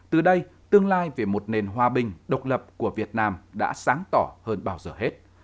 từ đây tương lai về một nền hòa bình độc lập của việt nam đã sáng tỏ hơn bao giờ hết